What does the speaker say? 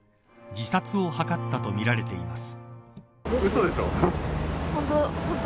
自殺を図ったとみられています。